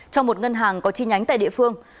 cho một ngân hàng có chi nhánh tại địa phương